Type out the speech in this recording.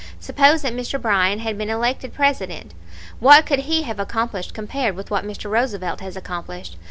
Suppose that Mr. Bryan had been elected President. What could he have accomplished compared with what Mr. Roosevelt has accomplished?